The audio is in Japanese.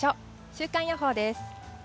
週間予報です。